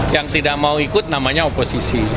yang tidak mau ikut namanya oposisi